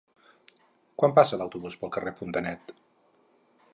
Quan passa l'autobús pel carrer Fontanet?